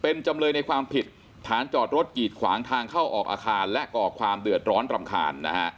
เป็นจำเลยในความผิดฐานจอดรถกีดขวางทางเข้าออกอาคารและก่อความเดือดร้อนรำคาญนะฮะ